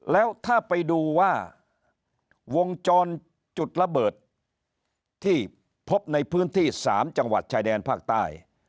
แล้วถ้าไปดูว่าวงจรจุดระเบิดที่พบในพื้นที่๓จังหวัดชายแดนภาคใต้